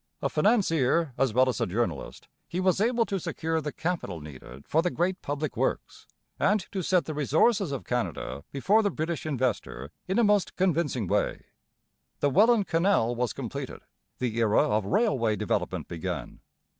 A financier as well as a journalist, he was able to secure the capital needed for the great public works, and to set the resources of Canada before the British investor in a most convincing way. The Welland Canal was completed; the era of railway development began.